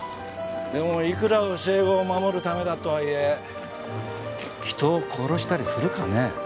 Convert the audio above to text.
でもいくら教え子を守るためだとはいえ人を殺したりするかね？